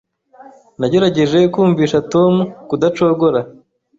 Nagerageje kumvisha Tom kudacogora.